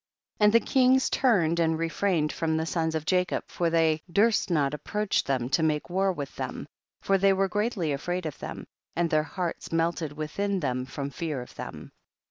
23. And the kings turned and re frained from the sons of Jacob, for they durst not approach them to make war with them, for they were greatly afraid of them, and their hearts melted within them from their fear of them.